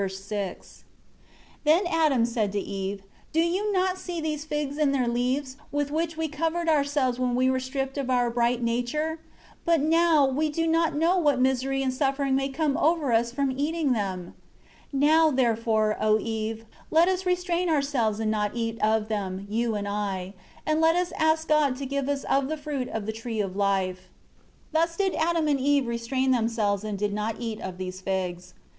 1 Then Adam said to Eve, "Do you not see these figs and their leaves, with which we covered ourselves when we were stripped of our bright nature? But now, we do not know what misery and suffering may come over us from eating them. 2 Now, therefore, O Eve, let us restrain ourselves and not eat of them, you and I; and let us ask God to give us of the fruit of the Tree of Life." 3 Thus did Adam and Eve restrain themselves, and did not eat of these figs.